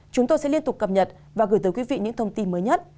chúng tôi sẽ liên tục cập nhật và gửi tới quý vị những thông tin mới nhất